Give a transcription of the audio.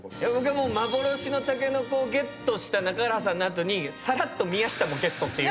幻のタケノコをゲットした中原さんの後にさらっと宮下もゲットという。